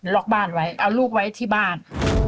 ล็อกบ้านไว้เอาลูกไว้ที่บ้าน